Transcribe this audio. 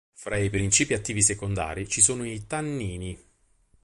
Fra i principi attivi secondari ci sono i tannini.